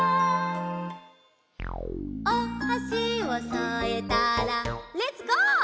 「おはしをそえたらレッツゴー！